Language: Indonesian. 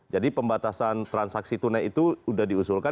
jadi pembatasan transaksi tunai itu sudah diusulkan